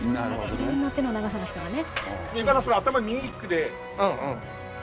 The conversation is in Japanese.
いろんな手の長さの人がね。